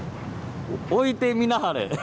「置いてみなはれ」。